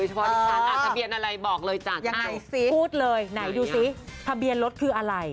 เฉพาะอันทะเบียนอะไรบอกเลยจ้ะมาพูดเลยดูซิพะเบียนรถคืออะไร